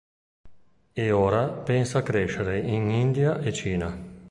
E ora pensa a crescere in India e Cina.